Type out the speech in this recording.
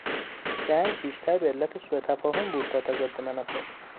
جنگ بیشتر به علت سوتفاهم بود تا تضاد منافع